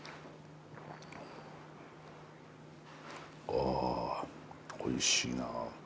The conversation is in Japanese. あおいしいな。